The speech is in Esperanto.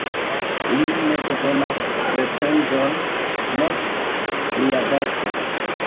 Li ne bezonas recenzon, nek lia verko.